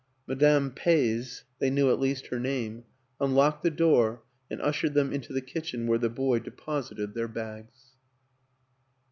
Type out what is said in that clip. Madame Peys (they knew at least her name) unlocked the door and ushered them into the kitchen, where the boy de posited their bags.